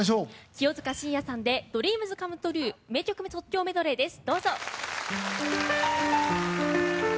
清塚信也さんでＤＲＥＡＭＳＣＯＭＥＴＲＵＥ名曲即興メドレーです。